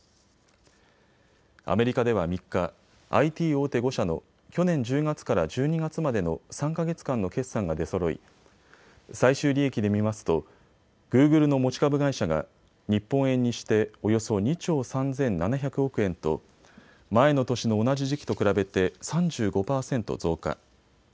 アメリカでは３日、ＩＴ大手５社の去年１０月から１２月までの３か月間の決算が出そろい最終利益で見ますとグーグルの持ち株会社が日本円にしておよそ２兆３７００億円と前の年の同じ時期と比べて３５％増加。